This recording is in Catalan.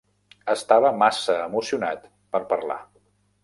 Estava massa emocionat per parlar.